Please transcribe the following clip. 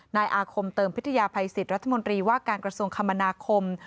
นายอาคมเติมพิทยาภัยสิทธิ์รัฐมนตรีว่าการกระทรวงคมนาคม